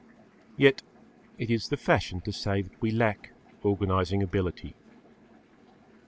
Yet it is the fashion to say that we lack organising ability.